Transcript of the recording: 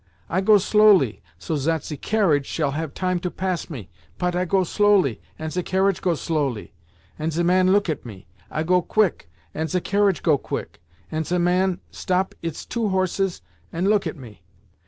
I go slowly, so zat ze carriage shall have time to pass me, pot I go slowly, ant ze carriage go slowly, ant ze man look at me. I go quick, ant ze carriage go quick, ant ze man stop its two horses, ant look at me.